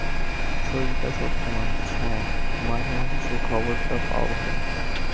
শরীরটা সত্য নয়, ছায়া, মাঝে মাঝে সে খবরটা পাওয়া ভালো।